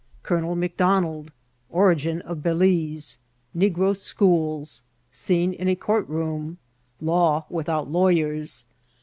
— Colonel M'Donald.— Origin of Bsiize.— Negro Schools.— Scene in a Oonrt roow.^Law witliout Lawyers.